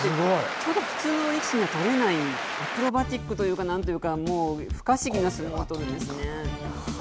ちょっと普通の力士とは思えないアクロバティックというかなんというか不可思議な相撲を取りますね。